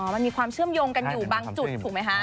มันมีความเชื่อมโยงกันอยู่บางจุดถูกไหมคะ